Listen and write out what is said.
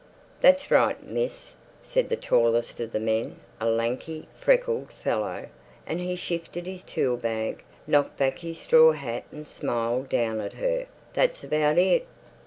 "That's right, miss," said the tallest of the men, a lanky, freckled fellow, and he shifted his tool bag, knocked back his straw hat and smiled down at her. "That's about it."